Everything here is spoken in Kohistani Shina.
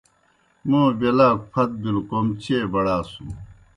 موں بیلاکوْ پھت بِلوْ کوْم چیئے بڑاسُن۔